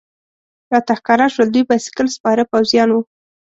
راته ښکاره شول، دوی بایسکل سپاره پوځیان و.